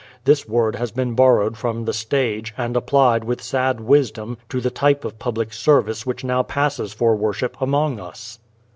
This word has been borrowed from the stage and applied with sad wisdom to the type of public service which now passes for worship among us.